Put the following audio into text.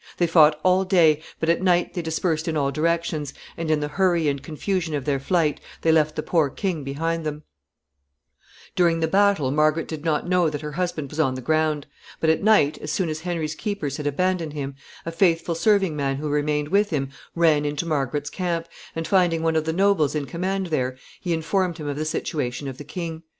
They fought all day, but at night they dispersed in all directions, and in the hurry and confusion of their flight they left the poor king behind them. [Sidenote: Is saved.] During the battle Margaret did not know that her husband was on the ground. But at night, as soon as Henry's keepers had abandoned him, a faithful serving man who remained with him ran into Margaret's camp, and finding one of the nobles in command there, he informed him of the situation of the king.